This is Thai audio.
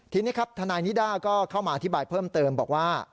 ทีนี้ครับทนายนิด้าก็เข้ามาอธิบายเพิ่มเติมบอกว่า